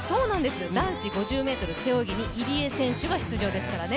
男子５０ｍ背泳ぎに入江選手が出場ですからね。